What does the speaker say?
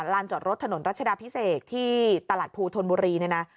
ลานจอดรถถนนราชดาพิเศษที่ตลาดภูทลบุรี